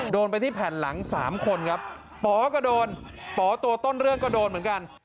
โดนไปที่แผ่นหลังสามคนครับป๋อก็โดนป๋อตัวต้นเรื่องก็โดนเหมือนกัน